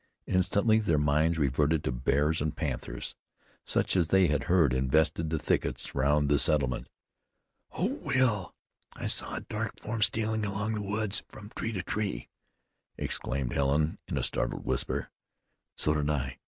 Instantly their minds reverted to bears and panthers, such as they had heard invested the thickets round the settlement. "Oh! Will! I saw a dark form stealing along in the woods from tree to tree!" exclaimed Helen in a startled whisper. "So did I.